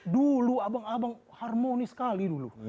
dulu abang abang harmonis sekali dulu